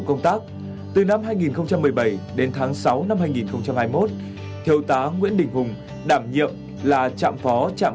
lần tập từ năm hai nghìn một mươi bảy đến tháng sáu năm hai nghìn hai mươi một thiếu tá nguyễn định hùng đảm nhiệm là trạm phó trạm